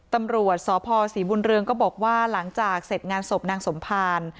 ตำรวจสพศรีบุญเรืองก็บอกว่าหลังจากเสร็จงานศพนางสมภาร